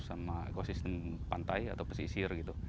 sama ekosistem pantai atau pesisir gitu